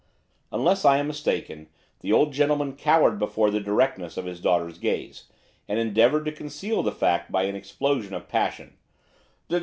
Unless I am mistaken the old gentleman cowered before the directness of his daughter's gaze, and endeavoured to conceal the fact by an explosion of passion.